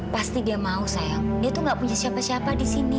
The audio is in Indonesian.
pasti dia mau sayang dia tuh gak punya siapa siapa di sini